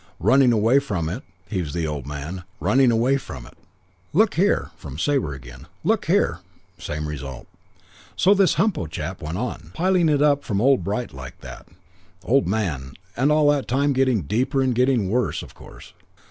'Running away from it,' heaves the old man. 'Running away from it.' "'Look here ' from Sabre again. 'Look here ' Same result. "So this Humpo chap went on, piling it up from old Bright like that, old man; and all the time getting deeper and getting worse, of course.